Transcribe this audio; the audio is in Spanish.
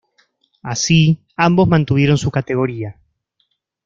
Así, ambos mantuvieron su categoría.